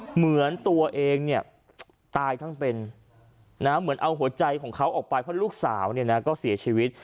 เหมือนตัวเองเนี่ยตายทั้งเป็นเหมือนเอาหัวใจของเขาออกไปเพราะลูกสาวเนี่ยนะก็เสียชีวิต